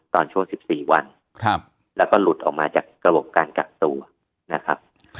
ช่วง๑๔วันแล้วก็หลุดออกมาจากระบบการกักตัวนะครับ